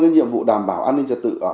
nhiệm vụ đảm bảo an ninh trật tự ở